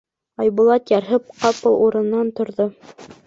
Айбулат ярһып ҡапыл урынынан торҙо: